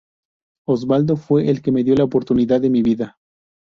Osvaldo fue el que me dio la oportunidad de mi vida.